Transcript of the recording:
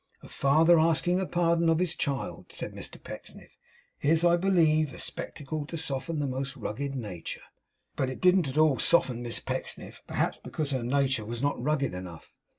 A father asking pardon of his child,' said Mr Pecksniff, 'is, I believe, a spectacle to soften the most rugged nature.' But it didn't at all soften Miss Pecksniff; perhaps because her nature was not rugged enough.